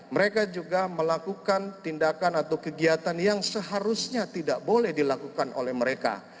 mereka juga melakukan tindakan atau kegiatan yang seharusnya tidak boleh dilakukan oleh mereka